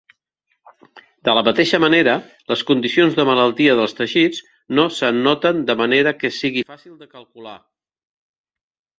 De la mateixa manera, les condicions de malaltia dels teixits no s'anoten de manera que sigui fàcil de calcular.